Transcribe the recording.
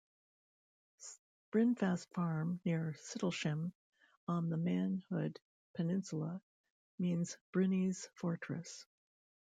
Brinfast Farm near Sidlesham on the Manhood Peninsula, means Bryni's fortress.